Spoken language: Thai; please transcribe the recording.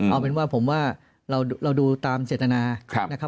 เอาเป็นว่าผมว่าเราดูตามเจตนานะครับ